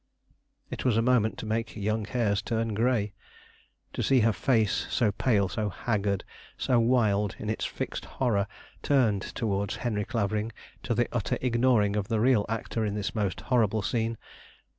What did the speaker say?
It was a moment to make young hairs turn gray. To see her face, so pale, so haggard, so wild in its fixed horror, turned towards Henry Clavering, to the utter ignoring of the real actor in this most horrible scene!